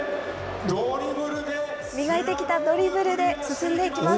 磨いてきたドリブルで進んでいきます。